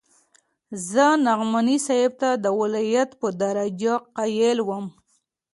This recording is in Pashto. زه نعماني صاحب ته د ولايت په درجه قايل وم.